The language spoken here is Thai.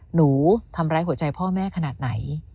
หนูทำร้ายหัวใจพ่อแม่ขนาดไหน